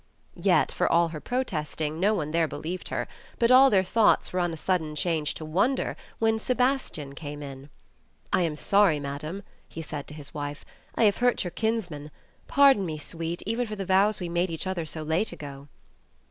Yet, for all her protesting, no one there believed her ; but all their thoughts were on a sudden changed to wonder, when Sebastian came m. I am sorry, madam," he said to his wife, "I have hurt your kins man. Pardon me, sweet, even for the vows we made each other so late ago."